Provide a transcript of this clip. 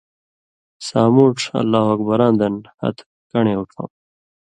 سامُوٹھ اللہ اکبراں دَن ہَتہۡ کنڑے اُوڇھُؤں